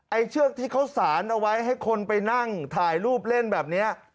เชือกที่เขาสารเอาไว้ให้คนไปนั่งถ่ายรูปเล่นแบบนี้